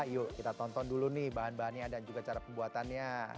yuk kita tonton dulu nih bahan bahannya dan juga cara pembuatannya